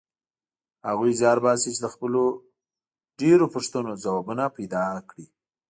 هغوی زیار باسي چې د خپلو ډېرو پوښتنو ځوابونه پیدا کړي.